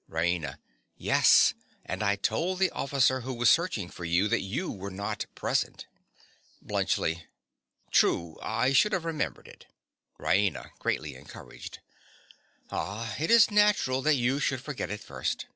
RAINA. Yes; and I told the officer who was searching for you that you were not present. BLUNTSCHLI. True. I should have remembered it. RAINA. (greatly encouraged). Ah, it is natural that you should forget it first.